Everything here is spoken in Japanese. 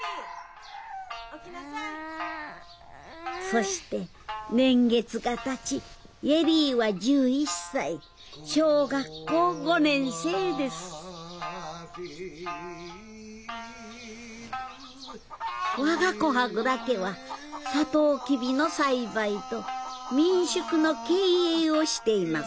そして年月がたち恵里は１１歳小学校５年生ですわが古波蔵家はサトウキビの栽培と民宿の経営をしています。